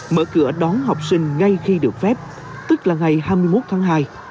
mở cửa đón học sinh ngay khi được phép tức là ngày hai mươi một tháng hai